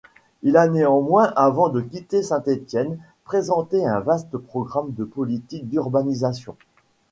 Il a néanmoins avant de quitter Saint-Étienne présenté un vaste programme de politique d'urbanisation.